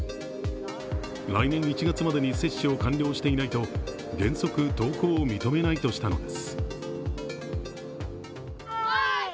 来年の１月までに接種を完了していないと原則登校を認めないとしたのです。